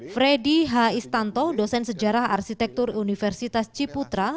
freddy h istanto dosen sejarah arsitektur universitas ciputra